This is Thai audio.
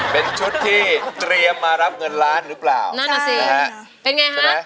เน่ชุดที่เตรียมมารับเงินร้านรึเปล่าใช่เป็นไงฮะ